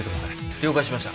了解しました。